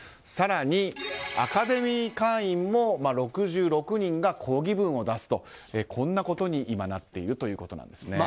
更に、アカデミー会員も６６人が抗議文を出すとこんなことになっているということです。